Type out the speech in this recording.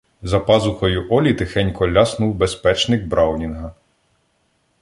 За пазухою Олі тихенько ляснув безпечник "Браунінга".